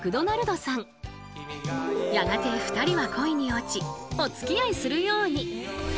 やがて２人は恋に落ちおつきあいするように。